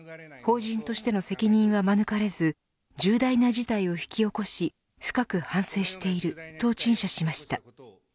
法人としての責任は免れず重大な事態を引き起こし深く反省していると陳謝しました。